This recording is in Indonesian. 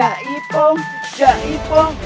jai pong jai pong